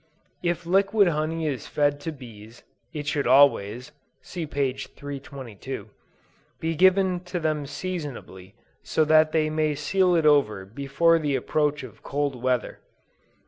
If liquid honey is fed to bees, it should always, (see p. 322,) be given to them seasonably, so that they may seal it over before the approach of cold weather.